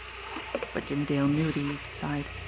But Jimmie Dale knew the East Side.